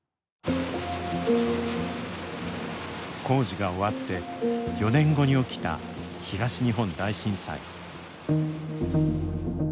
工事が終わって４年後に起きた、東日本大震災。